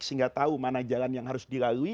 sehingga tahu mana jalan yang harus dilalui